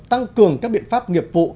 tăng cường các biện pháp nghiệp vụ